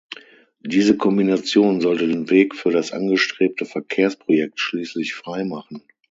Diese Kombination sollte den Weg für das angestrebte Verkehrsprojekt schließlich freimachen.